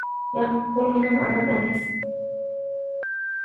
— ياق، بۇ مېنىڭ ئانام ئەمەس.